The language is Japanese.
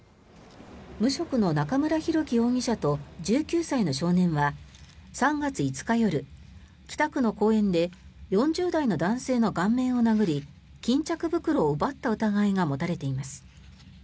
無職の中村博樹容疑者と１９歳の少年は３月５日夜、北区の公園で４０代の男性の顔面を殴り巾着袋を奪った疑いが持たれています。